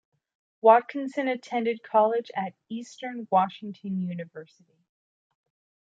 Watkinson attended college at Eastern Washington University.